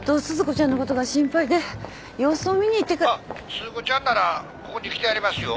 鈴子ちゃんならここに来てはりますよ。